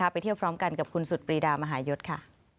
ไปเที่ยวพร้อมกันกับคุณสุดปรีดามหายศค่ะ